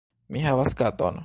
Mi havas katon.